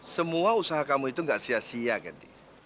semua usaha kamu itu gak sia sia kan